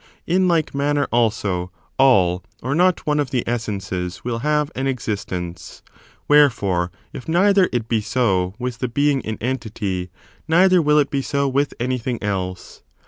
In like manner, also, all or not one of the essences will have an existence. Wherefore, if neither it be so with the being in entity, neither will it be so with anything else.